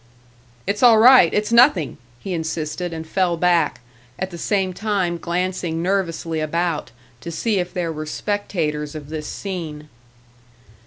"It's all right! It's nothing!" he insisted, and fell back at the same time glancing nervously about, to see if there were spectators of this scene.